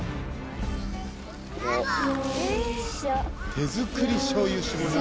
「手作りしょうゆ搾り機」